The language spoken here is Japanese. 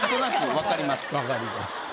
分かりました。